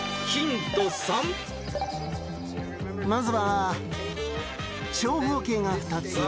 まずは。